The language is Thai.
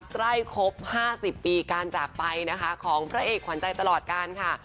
ครบ๕๐ปีการจากไปนะคะของพระเอกขวัญใจตลอดการค่ะ